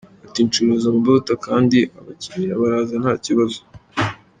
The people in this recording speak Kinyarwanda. Ati “Ncuruza amavuta kandi abakiriya baraza nta kibazo.